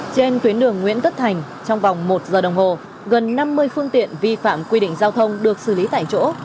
trên tuyến đường nguyễn tất thành trong vòng một giờ đồng hồ gần năm mươi phương tiện vi phạm quy định giao thông được xử lý tại chỗ